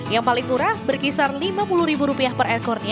yang paling murah berkisar rp lima puluh per ekor